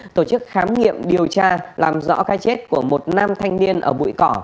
tổ chức khám nghiệm điều tra làm rõ cái chết của một nam thanh niên ở bụi cỏ